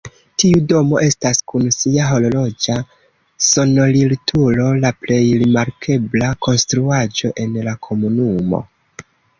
Tiu domo estas kun sia horloĝa sonorilturo la plej rimarkebla konstruaĵo en la komunumo.